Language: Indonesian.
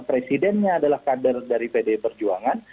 presidennya adalah kader dari pdi perjuangan